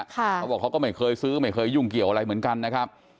เขาบอกเขาก็ไม่เคยซื้อไม่เคยยุ่งเกี่ยวอะไรเหมือนกันนะครับ